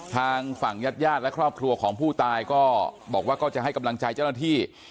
ทางฝั่งญาติญาติและครอบครัวของผู้ตายก็บอกว่าก็จะให้กำลังใจเจ้าหน้าที่